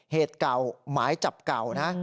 เหตุเก่าหมายจับเก่านะ